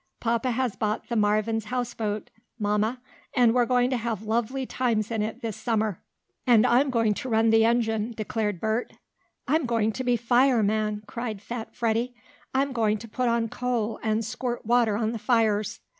"Papa has bought the Marvin's houseboat, Mamma, and we're going to have lovely times in it this summer." "And I'm going to run the engine," declared Bert. "I'm going to be fireman!" cried fat Freddie. "I'm going to put on coal and squirt water on the fires!"